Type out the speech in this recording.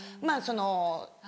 まぁその。